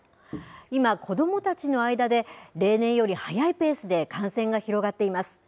今、子どもたちの間で例年より早いペースで感染が広がっています。